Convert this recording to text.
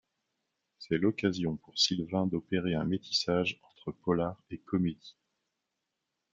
C'est l'occasion pour Sylvain d'opérer un métissage entre polar et comédie.